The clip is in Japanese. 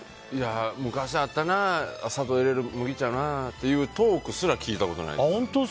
昔あったな砂糖入れる麦茶っていうトークすら聞いたことないです。